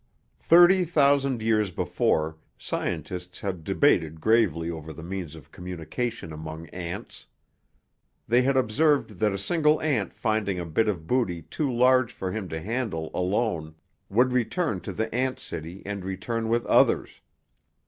Thirty thousand years before, scientists had debated gravely over the means of communication among ants. They had observed that a single ant finding a bit of booty too large for him to handle alone would return to the ant city and return with others.